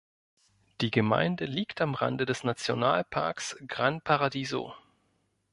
Die Gemeinde liegt am Rande des Nationalparks Gran Paradiso.